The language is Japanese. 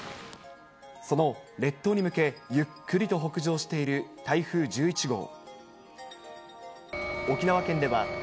その列島に向け、ゆっくりと北上している台風１１号。